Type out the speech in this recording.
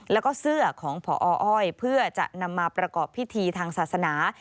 แล้วก็เสื้อของพออ้อยเพื่อจะนำมาประกอบพิธีทางศาสนา